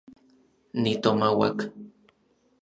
Nitomauak.